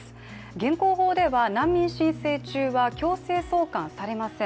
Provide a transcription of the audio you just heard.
現行法では難民申請中は強制送還されません。